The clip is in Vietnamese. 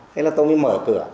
thế là tôi mới mở cửa